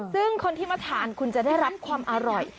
ซึ่งคนที่มาทานคุณจะได้รับความอร่อย